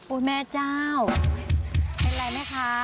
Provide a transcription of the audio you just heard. แม่เจ้าเป็นไรไหมคะ